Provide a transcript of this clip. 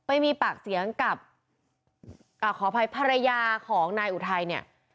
ไปมีปากเสียงกับอ่าขออภัยภรรยาของนายอุทัยเนี่ย